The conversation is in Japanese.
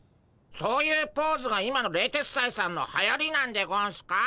そういうポーズが今の冷徹斎さんのはやりなんでゴンスか？